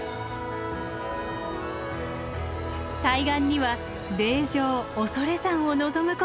対岸には霊場恐山を望むことができました。